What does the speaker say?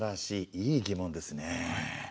いい疑問ですねえ。